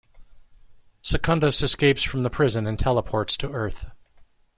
Secundus escapes from the prison and teleports to Earth.